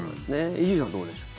伊集院さん、どうでしょう。